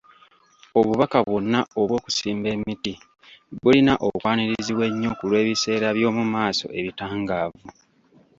Obubaka bwonna obw'okusimba emiti bulina okwanirizibwa ennyo ku lw'ebiseera by'omu maaso ebitangaavu.